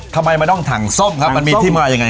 ทำไมมันต้องถังส้มมันมีที่มาอย่างไร